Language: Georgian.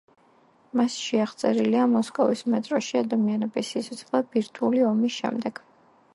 მასში აღწერილია მოსკოვის მეტროში ადამიანების სიცოცხლე ბირთვული ომის შემდეგ.